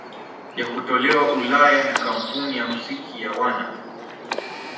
Ya kutolewa Ulaya na Kampuni ya Muziki ya Warner